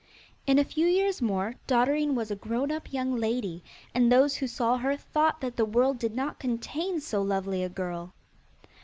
In a few years more, Dotterine was a grown up young lady, and those who saw her thought that the world did not contain so lovely a girl.